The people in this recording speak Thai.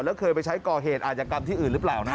แล้วเคยไปใช้ก่อเหตุอาจกรรมที่อื่นหรือเปล่านะ